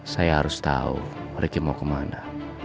saya harus tahu ricky mau kemana